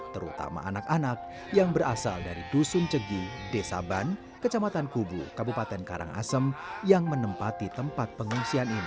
terutama anak anak yang berasal dari dusun cegi desa ban kecamatan kubu kabupaten karangasem yang menempati tempat pengungsian ini